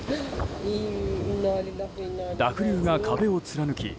濁流が壁を貫き